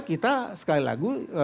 kita sekali lagi